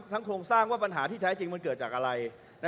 โครงสร้างว่าปัญหาที่แท้จริงมันเกิดจากอะไร